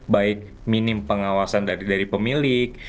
baik minim pengawasan dari pemilik